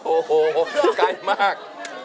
โอ้โหไกลมาก